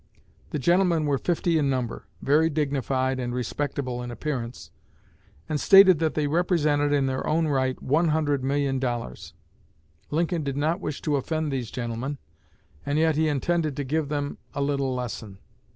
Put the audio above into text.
The gentlemen were fifty in number, very dignified and respectable in appearance, and stated that they represented in their own right $100,000,000. Lincoln did not wish to offend these gentlemen, and yet he intended to give them a little lesson.